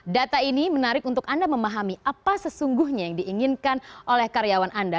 data ini menarik untuk anda memahami apa sesungguhnya yang diinginkan oleh karyawan anda